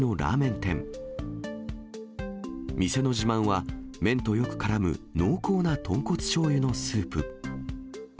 店の自慢は、麺とよくからむ濃厚な豚骨しょうゆのスープ。